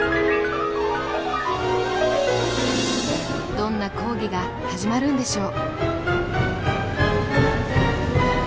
どんな講義が始まるんでしょう？